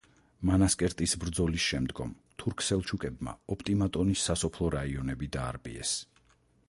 მანასკერტის ბრძოლის შემდგომ, თურქ-სელჩუკებმა, ოპტიმატონის სასოფლო რაიონები დაარბიეს.